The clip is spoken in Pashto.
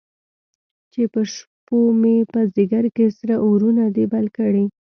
چې په شپومې، په ځیګر کې سره اورونه دي بل کړی